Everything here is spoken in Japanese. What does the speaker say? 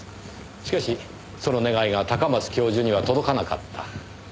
しかしその願いが高松教授には届かなかった。